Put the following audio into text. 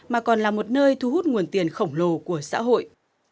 mà còn là một nơi thu hút nguồn tiền khổng lồ của xã hội